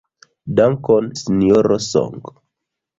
Dankon, Sinjoro Song.